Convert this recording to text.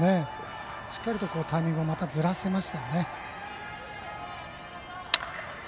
しっかりタイミングをまた、ずらせましたね。